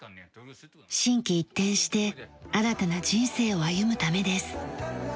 心機一転して新たな人生を歩むためです。